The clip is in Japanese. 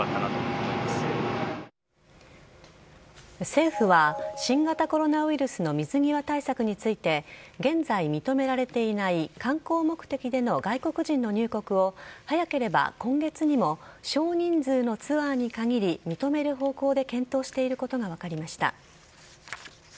政府は、新型コロナウイルスの水際対策について現在認められていない観光目的での外国人の入国を早ければ今月にも少人数のツアーに限り認める方向で検討していることが分かりました。